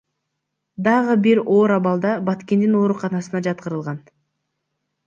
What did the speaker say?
Дагы бири оор абалда Баткендин ооруканасына жаткырылган.